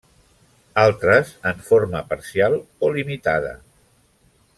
Altres en forma parcial o limitada.